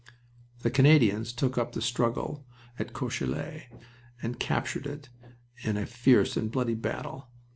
The Canadians took up the struggle at Courcelette and captured it in a fierce and bloody battle.